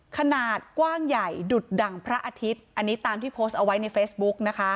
ขนาดกว้างใหญ่ดุดดั่งพระอาทิตย์อันนี้ตามที่โพสต์เอาไว้ในเฟซบุ๊กนะคะ